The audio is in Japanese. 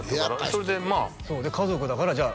それでまあそうで家族だからじゃあ